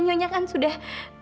nyonya kan sudah